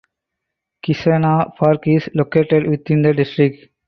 Kissena Park is located within the district.